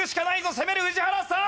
攻める宇治原さん！